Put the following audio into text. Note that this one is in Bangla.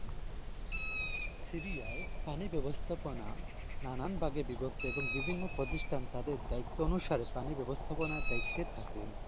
সিরিয়ায় পানি ব্যবস্থাপনা নানান ভাগে বিভক্ত এবং বিভিন্ন প্রতিষ্ঠান তাদের দায়িত্ব অনুসারে পানি ব্যবস্থাপনার দায়িত্বে থাকে।